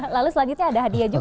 lalu selanjutnya ada hadiah juga